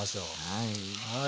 はい。